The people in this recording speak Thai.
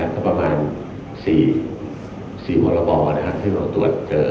ก็ประมาณ๔ปฏิบัติสิ่งที่เราตรวจเจอ